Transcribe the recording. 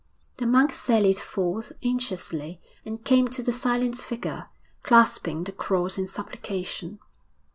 The monks sallied forth anxiously, and came to the silent figure, clasping the cross in supplication.